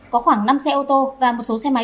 có khoảng năm xe ô tô và một số xe máy